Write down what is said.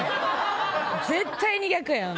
絶対に逆やん。